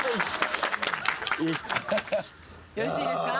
よろしいですか？